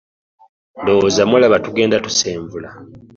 Ndowooza mulaba tugenda tusenvula.